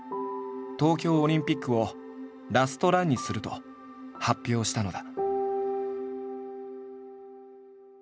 東京オリンピックをラストランにすると発表したのだ。